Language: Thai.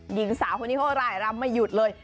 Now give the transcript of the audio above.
หญิงสาวคนนี้เขาร่ายรำไม่หยุดเลย